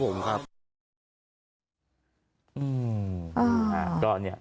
โอเคครับผมครับ